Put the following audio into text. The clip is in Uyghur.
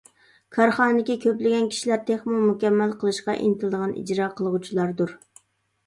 كارخانىدىكى كۆپلىگەن كىشىلەر تېخىمۇ مۇكەممەل قىلىشقا ئىنتىلىدىغان ئىجرا قىلغۇچىلاردۇر.